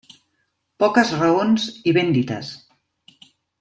Poques raons i ben dites.